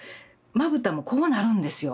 まぶたもこうなるんですよ。